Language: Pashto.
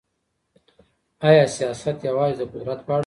آیا سیاست یوازې د قدرت په اړه دی؟